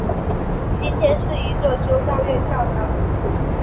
今天是一座修道院教堂。